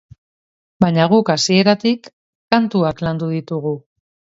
Baina guk hasieratik, kantuak landu ditugu.